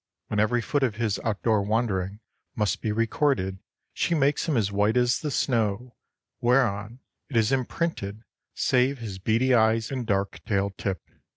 When every foot of his outdoor wandering must be recorded she makes him as white as the snow whereon it is imprinted, save his beady eyes and dark tail tip.